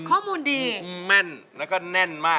ข้อมูลดีแม่นแล้วก็แน่นมาก